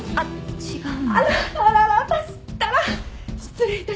違う。